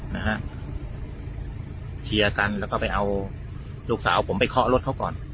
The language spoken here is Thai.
นะฮะเคลียร์กันแล้วก็ไปเอาลูกสาวผมไปเคาะรถเขาก่อน